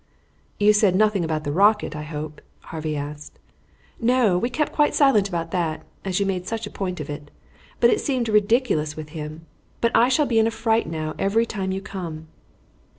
"You said nothing about the rocket, I hope?" Harvey asked. "No, we kept quite silent about that, as you made such a point of it; but it seemed ridiculous with him. But I shall be in a fright, now, every time you come."